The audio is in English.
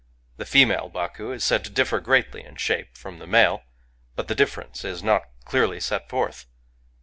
The female Baku is said to differ greatly in shape from the male ; but the difference is not clearly set forth.